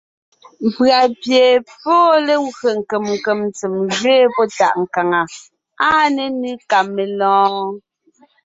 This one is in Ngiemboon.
Pʉ̀a pie pɔ́ ée legwé nkem nkem tsem ngẅeen pɔ́ tàʼ nkàŋ. Áa nénʉ ka melɔ̀ɔn?